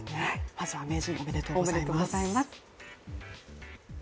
まずは名人、おめでとうございます。